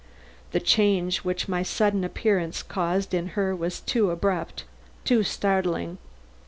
The change which my sudden appearance caused in her was too abrupt; too startling.